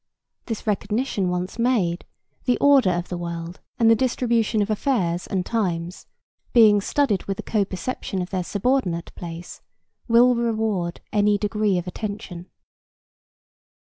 This recognition once made, the order of the world and the distribution of affairs and times, being studied with the co perception of their subordinate place, will reward any degree of attention.